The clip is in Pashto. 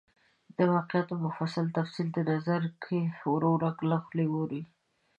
د واقعاتو مفصل تفصیل د نظرګي ورورک له خولې اوري.